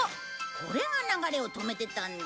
これが流れを止めてたんだ。